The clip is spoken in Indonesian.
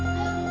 tunggu aja ya